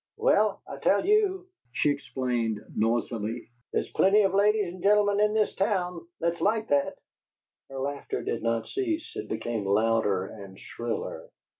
"Well, I tell YOU," she exclaimed, noisily, "there's plenty ladies and gen'lemen in this town that's like that!" Her laughter did not cease; it became louder and shriller.